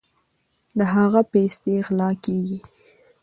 د هغه پیسې غلا کیږي.